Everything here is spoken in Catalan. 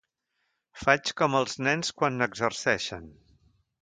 Faig com els nens quan n'exerceixen.